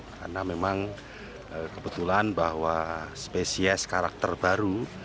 karena memang kebetulan bahwa spesies karakter baru